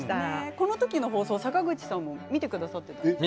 この時の放送、坂口さん見てくださったんですよね。